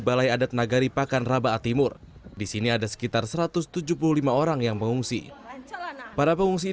balai adat nagari pakan raba timur disini ada sekitar satu ratus tujuh puluh lima orang yang mengungsi para pengungsi